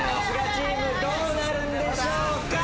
どうなるんでしょうか⁉